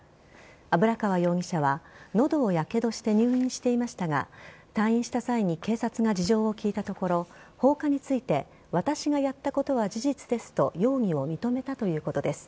油川容疑者は喉をやけどして入院していましたが退院した際に警察が事情を聴いたところ放火について私がやったことは事実ですと容疑を認めたということです。